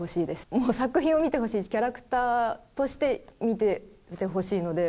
もう、作品を見てほしいし、キャラクターとして見ていてほしいので。